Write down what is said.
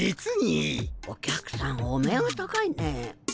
お客さんお目が高いね。